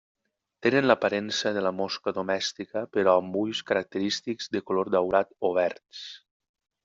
Tenen l'aparença de la mosca domèstica però amb ulls característics de color daurat o verds.